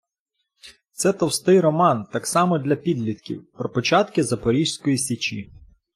Це товстий роман, так само для підлітків, про початки Запорізької січі.